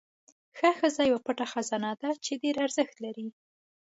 ښه ښځه یو پټ خزانه ده چې ډېره ارزښت لري.